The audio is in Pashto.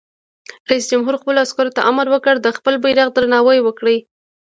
رئیس جمهور خپلو عسکرو ته امر وکړ؛ د خپل بیرغ درناوی وکړئ!